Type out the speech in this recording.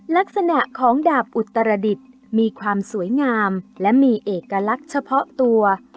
ลักษณะของดาบอุตรดิษฐ์มีความสวยงามและมีเอกลักษณ์เฉพาะตัว